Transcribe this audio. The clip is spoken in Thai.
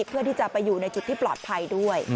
เพื่อที่จะไปอยู่ในจุดที่ปลอดภัยด้วย